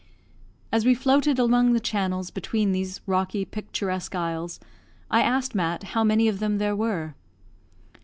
As we floated among the channels between these rocky picturesque isles, I asked Mat how many of them there were.